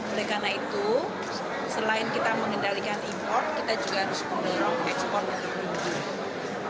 oleh karena itu selain kita mengendalikan impor kita juga harus mengurangkan impornya